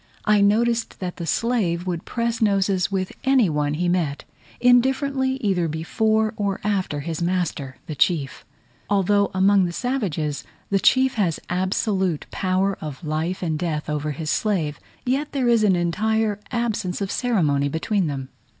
I noticed that the slave would press noses with any one he met, indifferently either before or after his master the chief. Although among the savages, the chief has absolute power of life and death over his slave, yet there is an entire absence of ceremony between them.